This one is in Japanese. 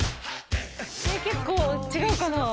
結構違うかな？